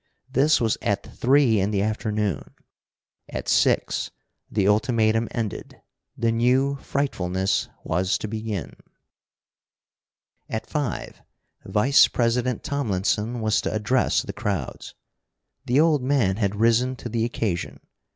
This was at three in the afternoon: at six the ultimatum ended, the new frightfulness was to begin. At five, Vice president Tomlinson was to address the crowds. The old man had risen to the occasion.